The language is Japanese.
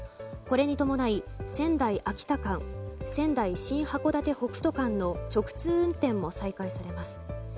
これに伴い、仙台秋田間仙台新函館北斗間の直通運転も再開されます。